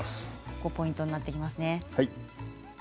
ここポイントになってきますね。